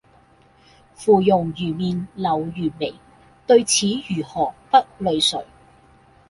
芙蓉如面柳如眉，對此如何不淚垂！